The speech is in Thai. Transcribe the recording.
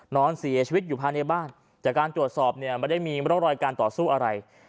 นอนเสียชีวิตอยู่ภายในบ้านจากการตรวจสอบเนี่ยไม่ได้มีร่องรอยการต่อสู้อะไร